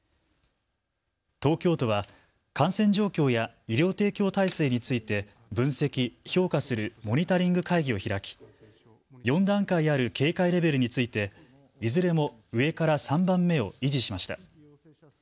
東京都は感染状況や医療提供体制について分析・評価するモニタリング会議を開き４段階ある警戒レベルについていずれも上から３番目を維持しました。